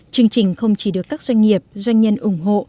chương trình không chỉ được các doanh nghiệp doanh nhân ủng hộ